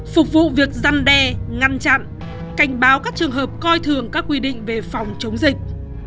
phục vụ việc giăn đe ngăn chặn cảnh báo các trường hợp coi thường các quy định về phòng chống dịch